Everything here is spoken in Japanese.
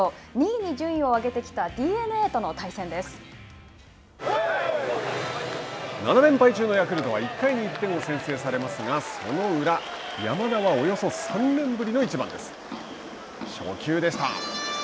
２位に順位を上げてきた７連敗中のヤクルトは１回に１点を先制されましたがその裏山田がおよそ３年ぶりの１番です。